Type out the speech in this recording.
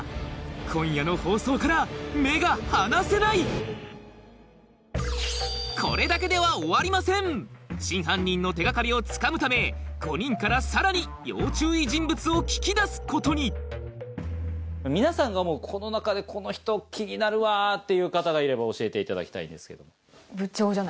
今夜の放送から目が離せない真犯人の手掛かりをつかむため５人からさらに要注意人物を聞き出すことに皆さんがこの中でこの人気になるわっていう方がいれば教えていただきたいんですけども。